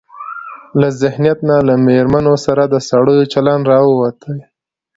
له ذهنيت نه له مېرمنو سره د سړيو چلن راوتى.